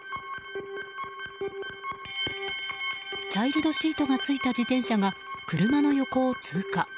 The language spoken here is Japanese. チャイルドシートが付いた自転車が、車の横を通過。